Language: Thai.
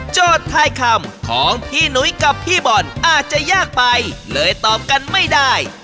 ทายคำของพี่หนุ้ยกับพี่บอลอาจจะยากไปเลยตอบกันไม่ได้